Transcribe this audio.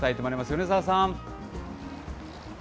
米澤さん。